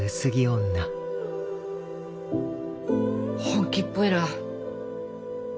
本気っぽいな。